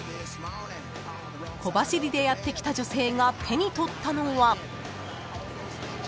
［小走りでやって来た女性が手に取ったのは］